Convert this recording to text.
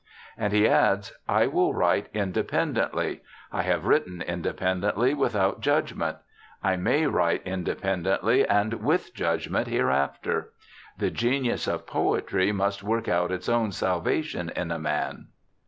And he adds, ' I will write independently,— I have written inde pendently without judgment. I may write indepen dently, and with judgment hereafter. The Genius of Poetry must work out its own salvation in a man.'